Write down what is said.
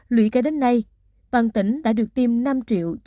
lũy kể đến nay toàn tỉnh đã được tiêm năm chín trăm một mươi ba ba trăm hai mươi